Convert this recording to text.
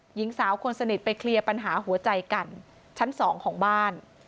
หญิงสาวคนสนิทไปเคลียร์ปัญหาหัวใจกันชั้น๒ของบ้าน